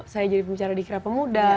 saya jadi pembicara di kera pemuda